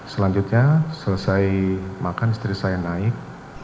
selanjutnya selesai makan istri saya naik